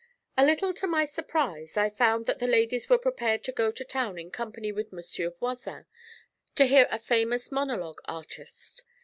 A little to my surprise, I found that the ladies were prepared to go to town in company with Monsieur Voisin, to hear a famous monologue artist.